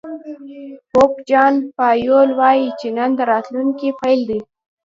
پوپ جان پایول وایي نن د راتلونکي پيل دی.